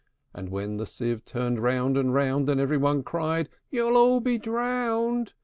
And when the sieve turned round and round, And every one cried, "You'll all be drowned!"